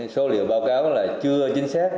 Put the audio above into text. số liệu báo cáo là chưa chính xác